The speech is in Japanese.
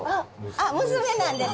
あっ娘なんです。